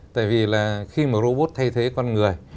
tại vì là khi mà robot thay thế con người